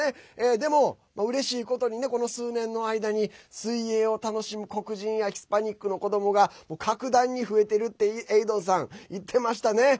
でも、うれしいことにこの数年の間に水泳を楽しむ黒人やヒスパニックの子どもが格段に増えてるってエイドンさん言ってましたね。